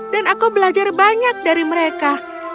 dan aku belajar banyak dari mereka